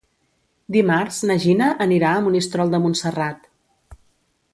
Dimarts na Gina anirà a Monistrol de Montserrat.